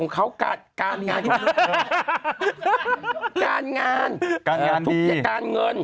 การงานและการเงิน